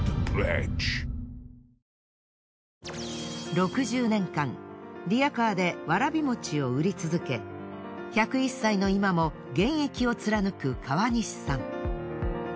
６０年間リヤカーでわらびもちを売り続け１０１歳の今も現役を貫く川西さん。